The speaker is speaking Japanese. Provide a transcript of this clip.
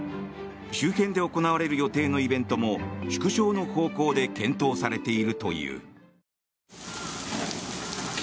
周辺で行われる予定のイベントも縮小の方向で検討されているという。